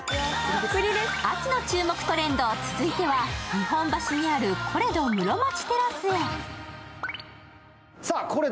秋の注目トレンド、続いては日本橋にあるコレド室町テラスへ。